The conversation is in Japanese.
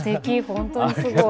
本当にすごい。